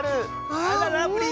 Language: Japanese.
あらラブリー。